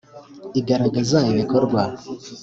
igaragaza ibikorwa.